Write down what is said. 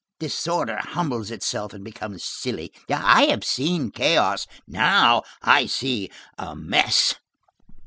Disorder humbles itself and becomes silly. I have seen chaos, I now see a mess.